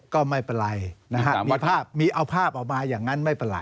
ก็ไม่เป็นไรมีเอาภาพออกมาอย่างนั้นไม่เป็นไร